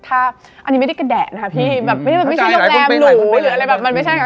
อันนี้ไม่ได้กระแด่นะพี่ไม่ใช่ยกแรมหรูหรืออะไรแบบมันไม่ใช่นะ